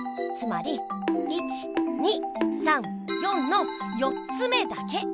つまり１２３４の４つめだけ。